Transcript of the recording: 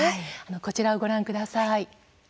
こちらをご覧ください。